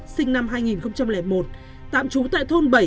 sinh năm hai nghìn một tạm trú tại thôn bảy